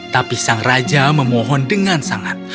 tapi sang raja memohon dengan sangat